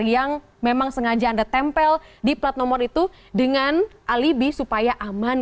yang memang sengaja anda tempel di plat nomor itu dengan alibi supaya aman